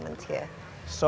alam sekitar bali